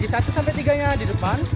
di satu sampai tiga nya di depan